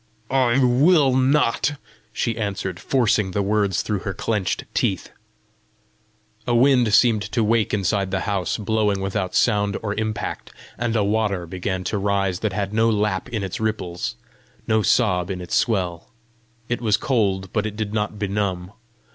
"I will not," she answered, forcing the words through her clenched teeth. A wind seemed to wake inside the house, blowing without sound or impact; and a water began to rise that had no lap in its ripples, no sob in its swell. It was cold, but it did not benumb.